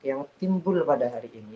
yang timbul pada hari ini